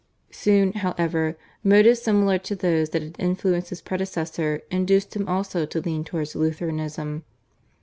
Soon, however, motives similar to those that had influenced his predecessor induced him also to lean towards Lutheranism.